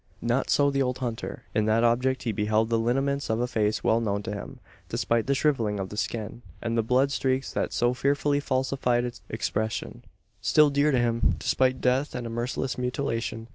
Not so the old hunter. In that object he beheld the lineaments of a face well known to him despite the shrivelling of the skin, and the blood streaks that so fearfully falsified its expression still dear to him, despite death and a merciless mutilation.